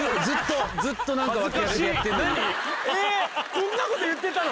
こんなこと言ってたの⁉